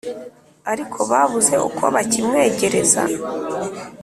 ariko babuze uko bakimwegereza